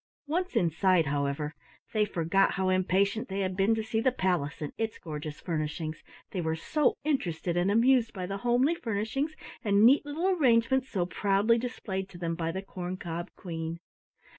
Once inside, however, they forgot how impatient they had been to see the palace and its gorgeous furnishings, they were so interested and amused by the homely furnishings and neat little arrangements so proudly displayed to them by the Corn cob Queen.